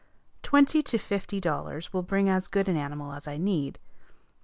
Twenty to fifty dollars will bring as good an animal as I need.